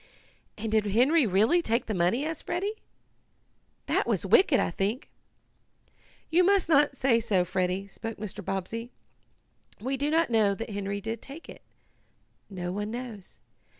"And did Henry really take the money?" asked Freddie. "That was wicked, I think." "You must not say so, Freddie," spoke Mr. Bobbsey. "We do not know that Henry did take it. No one knows.